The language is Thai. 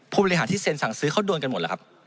ผู้บริหารที่เซ็นสั่งซื้อเขาโดนกันหมดแล้วครับ